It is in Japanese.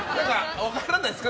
分かんないですか？